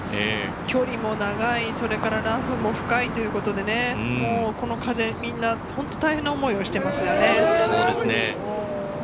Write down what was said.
距離も長い、それからラフも深いということでね、この風、みんな本当に大変な思いをしていますね。